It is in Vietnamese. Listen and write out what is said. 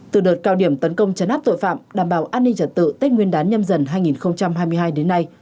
từ đợt cao điểm tấn công chấn áp tội phạm đảm bảo an ninh trật tự tết nguyên đán nhâm dần hai nghìn hai mươi hai đến nay